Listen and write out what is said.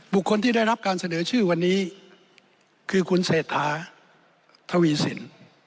คนที่ได้รับการเสนอชื่อวันนี้คือคุณเศรษฐาทวีสิน